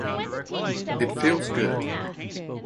It feels good.